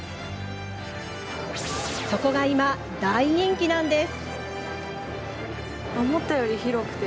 そこが今、大人気なんです。